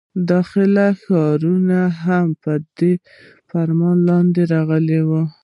داخلي ښارونه هم تر دې فرمان لاندې راغلل.